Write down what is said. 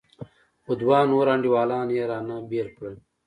خو دوه نور انډيوالان يې رانه بېل کړل.